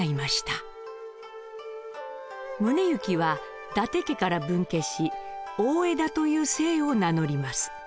宗行は伊達家から分家し「大條」という姓を名乗ります。